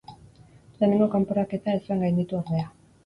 Lehenengo kanporaketa ez zuen gainditu ordea.